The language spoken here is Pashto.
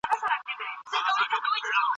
که مینه وي نو تعلیم نه پاتې کیږي.